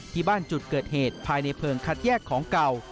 ที่บ้านจุดเกิดเหตุภายในเพลิงคัดแยกของเก่า